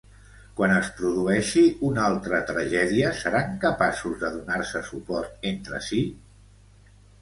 Quan es produeixi una altra tragèdia, seran capaços de donar-se suport entre si?